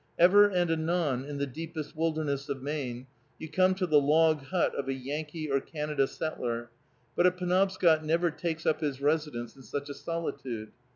Ever and anon in the deepest wilderness of Maine, you come to the log hut of a Yankee or Canada settler, but a Penobscot never takes up his residence in such a solitude.